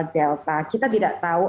delta kita tidak tahu